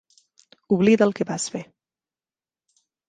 Oblida el que vas fer.